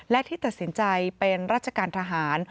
และที่ตัดสินใจเป็นราชการทหาร